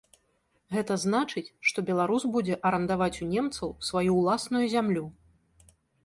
Гэта значыць, што беларус будзе арандаваць у немцаў сваю ўласную зямлю.